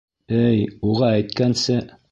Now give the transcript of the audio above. Эй, уға әйткәнсе.